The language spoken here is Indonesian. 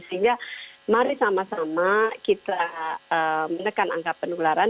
sehingga mari sama sama kita menekan angka penularan